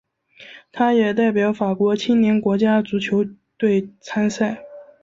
他也代表法国青年国家足球队参赛。